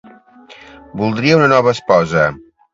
Voldria una nova esposa.